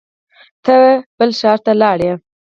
ته بل ښار ته لاړې